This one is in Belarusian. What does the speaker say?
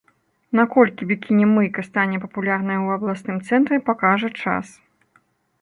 Наколькі бікіні-мыйка стане папулярнай у абласным цэнтры, пакажа час.